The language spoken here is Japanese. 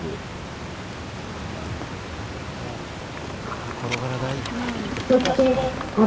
ああ、転がらない。